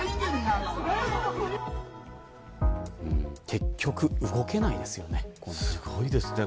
結局、動けないですよね。